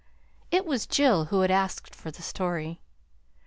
It was Jill who had asked for the story.